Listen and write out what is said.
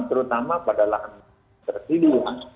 terutama pada lahan tertidur